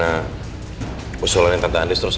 apa hal yang kamu inginkan